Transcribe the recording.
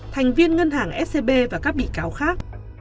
thành viên ngân hàng scb và các bị cáo khác